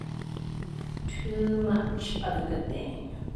Too much of a good thing